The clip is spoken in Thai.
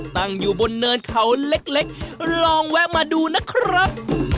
ตั้งอยู่บนเนินเขาเล็กลองแวะมาดูนะครับ